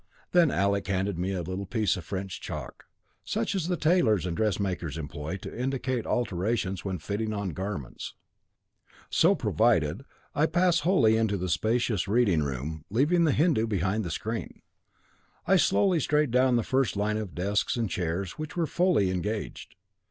Then Alec handed to me a little piece of French chalk, such as tailors and dressmakers employ to indicate alterations when fitting on garments. So provided, I passed wholly into the spacious reading room, leaving the Hindu behind the screen. "I slowly strayed down the first line of desks and chairs, which were fully engaged.